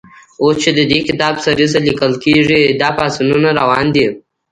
اوس چې د دې کتاب سریزه لیکل کېږي، دا پاڅونونه روان دي.